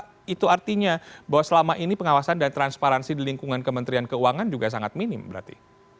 apakah itu artinya bahwa selama ini pengawasan dan transparansi di lingkungan kementerian keuangan juga sangat minim berarti